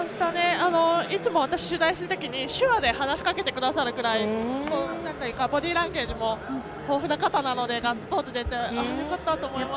いつも私、取材するときに手話で話しかけてくださるくらいボディーランゲージも豊富な方なのでガッツポーズが出てよかったと思いました。